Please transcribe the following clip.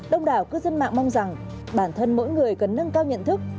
đông đảo cư dân mạng mong rằng bản thân mỗi người cần nâng cao nhận thức